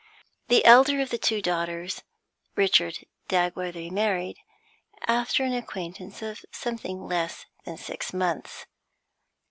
The elder of the two daughters Richard Dagworthy married, after an acquaintance of something less than six months.